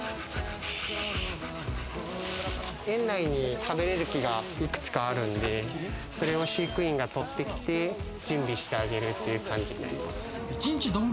園内に食べれる木がいくつかあるんで、それを飼育員が取ってきて、準備してあげるっていう感じになります。